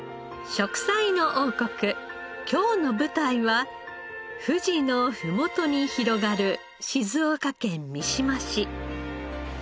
『食彩の王国』今日の舞台は富士の麓に広がる静岡県三島市。